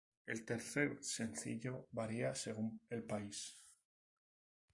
El tercer sencillo varía según el país.